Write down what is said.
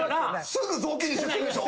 すぐ雑巾にして捨てるでしょ。